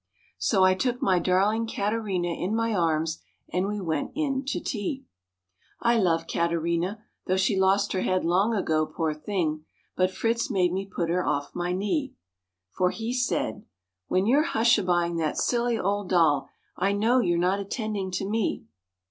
So I took my darling Katerina in my arms, and we went in to tea. I love Katerina, though she lost her head long ago, poor thing; but Fritz made me put her off my knee, For he said, "When you're hushabying that silly old doll I know you're not attending to me.